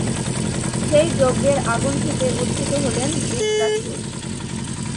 সেই যজ্ঞের আগুন থেকে উদ্ভূত হলেন বৃত্রাসুর।